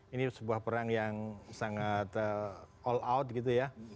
ini sebuah perang yang sangat all out gitu ya